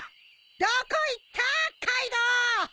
どこ行ったカイドウ！